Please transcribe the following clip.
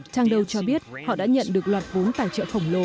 trang đầu cho biết họ đã nhận được loạt vốn tài trợ khổng lồ